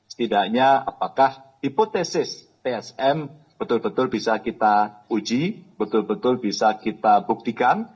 setidaknya apakah hipotesis tsm betul betul bisa kita uji betul betul bisa kita buktikan